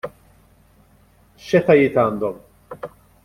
X'etajiet għandhom?